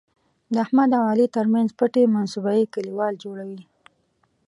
د احمد او علي تر منځ پټې منصوبې کلیوال جوړوي.